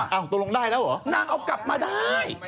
ตกลงได้แล้วเหรอนางเอากลับมาได้